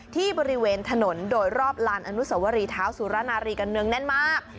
ที่บริเวณถนนโดยรอบลานอนุสวรีเท้าสุรนารีกันเนืองแน่นมาก